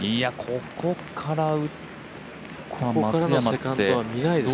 ここからセカンドは見ないですね。